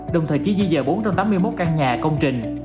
đồng thời chỉ di dời bốn trăm tám mươi một căn nhà công trình